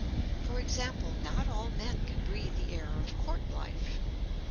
For example, not all men can breathe the air of court life.